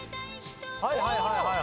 はいはいはいはい。